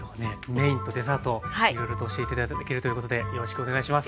メインとデザートいろいろと教えて頂けるということでよろしくお願いします。